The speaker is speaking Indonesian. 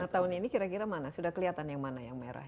lima tahun ini kira kira mana sudah kelihatan yang mana yang merah